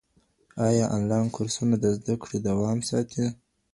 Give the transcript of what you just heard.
ايا انلاين کورسونه د زده کړې دوام ساتي؟